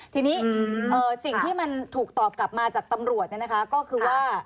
ทีนี้สิ่งที่มันถูกตอบกลับมาจากตำรวจก็คือว่า